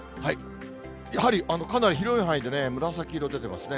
やはりかなり広い範囲で紫色出てますね。